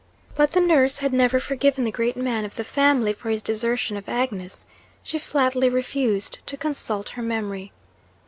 But the nurse had never forgiven the great man of the family for his desertion of Agnes; she flatly refused to consult her memory.